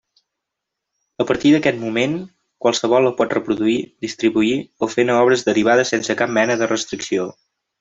A partir d'aquest moment, qualsevol la pot reproduir, distribuir o fer-ne obres derivades sense cap mena de restricció.